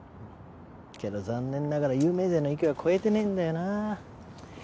けど残念ながら有名税の域は超えてねえんだよな。